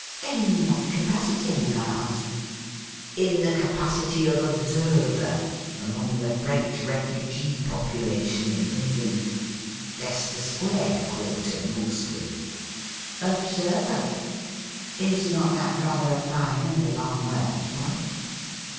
' In what capacity, may I ask .'"' In the capacity of observer, among the French refugee population in Ijondon r— Leicester Square quarter, mostly,' 96 THE RIDDLE RING ' Observer ? Is not that rather a fine and a long word for it